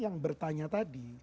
yang bertanya tadi